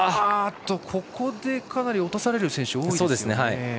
ここでかなり落とされる選手が多いですね。